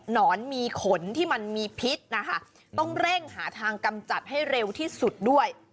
นอนมีขนที่มันมีพิษนะคะต้องเร่งหาทางกำจัดให้เร็วที่สุดด้วย